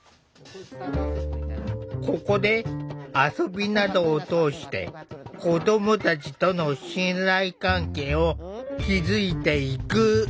ここで遊びなどを通して子どもたちとの信頼関係を築いていく。